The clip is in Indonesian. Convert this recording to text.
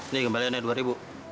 ini kembaliannya dua ribu